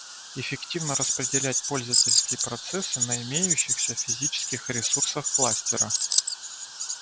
Эффективно распределять пользовательские процессы на имеющихся физических ресурсах кластера